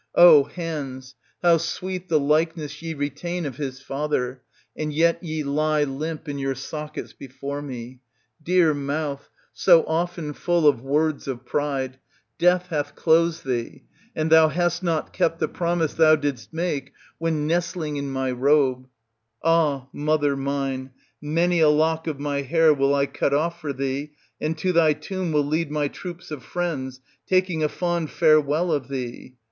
O hands, how sweet the likeness ye retain of his father, and yet ye lie limp in your sockets before me ! Dear mouth, so often full of words of pride, death hath closed thee, and thou hast not kept the promise thou didst make, when nestling in my robe, "Ah, mother mine, many a lock of my hair will I cut off for thee, and to thy tomb will lead my troops of friends, taking a fond farewell of thee."